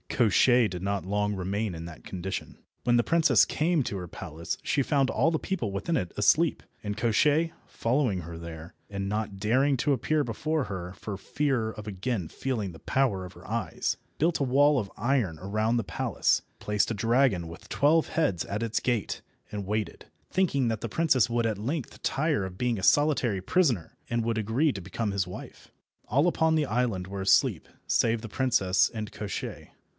Koshchei did not long remain in that condition. When the princess came to her palace she found all the people within it asleep, and Koshchei, following her there, and not daring to appear before her for fear of again feeling the power of her eyes, built a wall of iron around the palace, placed a dragon with twelve heads at its gate, and waited, thinking that the princess would at length tire of being a solitary prisoner, and would agree to become his wife. All upon the island were asleep, save the princess and Koshchei.